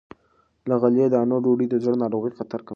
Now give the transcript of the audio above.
له غلې- دانو ډوډۍ د زړه ناروغۍ خطر کموي.